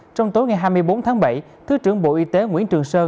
trong tối ngày hai mươi bốn tháng bảy thứ trưởng bộ y tế nguyễn trường sơn